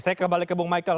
saya kembali ke bung michael